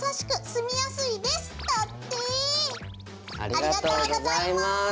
ありがとうございます。